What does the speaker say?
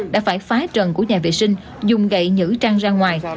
đã phải phá trần của nhà vệ sinh dùng gậy nhữ trang ra ngoài